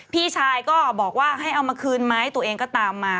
พี่ชายก็บอกว่าให้เอามาคืนไหมตัวเองก็ตามมา